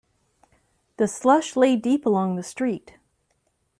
The slush lay deep along the street.